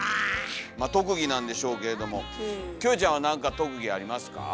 まあ特技なんでしょうけれどもキョエちゃんは何か特技ありますか？